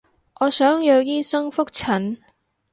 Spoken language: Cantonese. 我想約醫生覆診